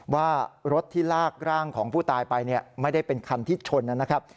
ว่ารถที่ลากร่างของผู้ตายไปไม่ได้เป็นคันที่ชนนะครับ